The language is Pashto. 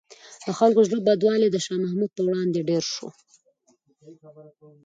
د خلکو زړه بدوالی د شاه محمود په وړاندې ډېر شو.